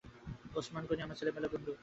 ওসমান গনি আমার ছেলেবেলার বন্ধু!